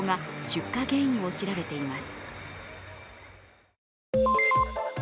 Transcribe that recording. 警察と消防が出火原因を調べています。